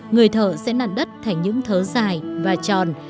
người thợ sẽ nặn đất thành những thớ dài và tròn